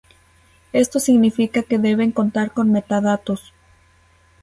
Esto significa que deben contar con metadatos.